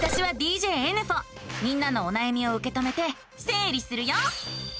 みんなのおなやみをうけ止めてせい理するよ！